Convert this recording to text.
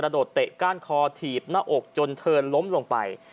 โดดเตะก้านคอถีบหน้าอกจนเธอล้มลงไป